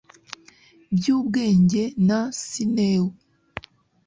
byubwenge na sinew